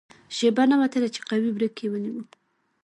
شېبه نه وه تېره چې قوي بریک یې ونیو.